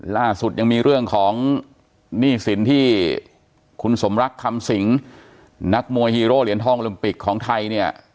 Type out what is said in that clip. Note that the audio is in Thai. ล่าสุดยังมีเรื่องของหนี้สินที่คุณสมรักคำสิงนักมวยฮีโร่เหรียญทองโลมปิกของไทยเนี่ย